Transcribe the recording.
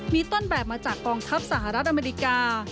มีต้นแบบมาจากกองทัพสหรัฐอเมริกา